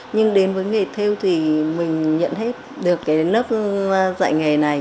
nhưng đến với nghề theo thì mình nhận hết được cái lớp dạy nghề này